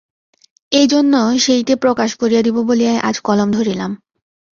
এইজন্য সেইটে প্রকাশ করিয়া দিব বলিয়াই আজ কলম ধরিলাম।